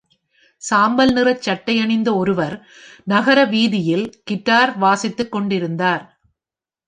சாம்பல் நிற சட்டை அணிந்த ஒருவர் நகர வீதியில் கிட்டார் வாசித்துக் கொண்டிருந்தார்.